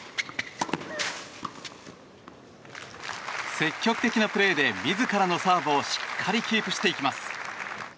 積極的なプレーで自らのサーブをしっかりキープしていきます。